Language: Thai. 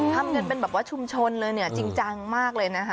ทำกันเป็นชุมชนจริงจังมากเลยนะฮะ